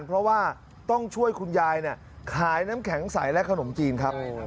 เพราะว่าต้องช่วยคุณยายขายน้ำแข็งใสและขนมจีนครับ